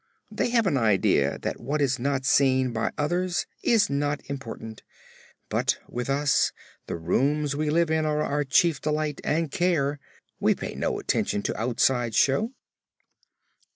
They have an idea that what is not seen by others is not important, but with us the rooms we live in are our chief delight and care, and we pay no attention to outside show."